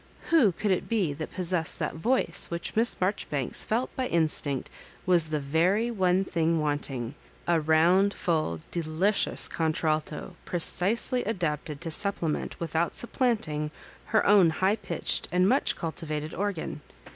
Who could it be that possessed that voice which Miss Marjori banks felt by instinct was the very one thing wanting — a round, full, delicious contralto, pre cisely adapted to supplement without supplant ing her own high pitched and much cultivated organ?